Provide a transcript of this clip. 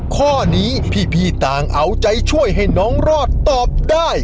ข้อนี้พี่ต่างเอาใจช่วยให้น้องรอดตอบได้